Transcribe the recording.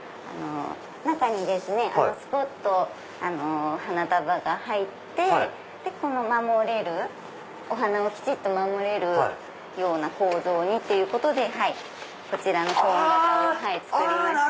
中にですねすぽっと花束が入ってお花をきちっと守れるような構造にっていうことでこちらのコーン形を作りました。